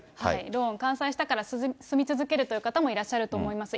ローンを完済したから住み続けるという方もいらっしゃると思います。